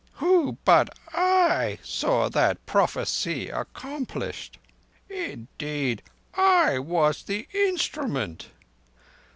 Who but I saw that prophecy accomplished? Indeed, I was the instrument.